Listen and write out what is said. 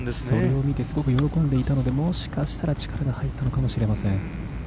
それを見てすごく喜んでいたのでもしかしたら力が入ったのかもしれません。